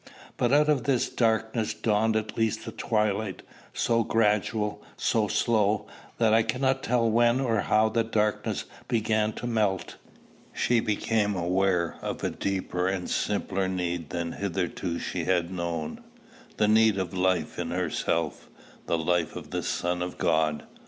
But out of this darkness dawned at least a twilight, so gradual, so slow, that I cannot tell when or how the darkness began to melt. She became aware of a deeper and simpler need than hitherto she had known, the need of life in herself, the life of the Son of God.